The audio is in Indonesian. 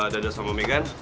dada sama megan